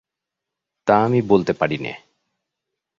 তা আমি বলতে পারি নে।